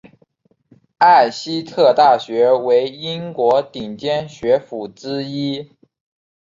艾希特大学为英国顶尖学府之一。